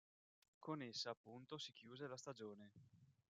Con essa appunto si chiuse la stagione".